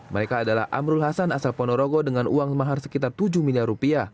mereka adalah amrul hasan asal ponorogo dengan uang mahar sekitar tujuh miliar rupiah